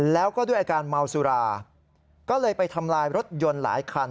แล้วก็ด้วยอาการเมาสุราก็เลยไปทำลายรถยนต์หลายคัน